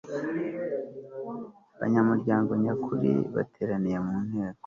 n abanyamuryango nyakuri bateraniye mu nteko